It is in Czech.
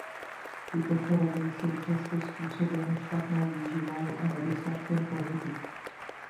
Tyto choroby jsou často způsobeny špatnou výživou a nedostatkem pohybu.